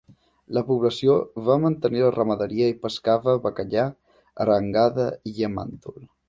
La població va mantenir la ramaderia i pescava bacallà, arengada i llamàntol.